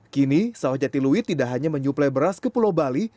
kini sawah jatiluit tidak hanya menyuplai beras ke pulau bali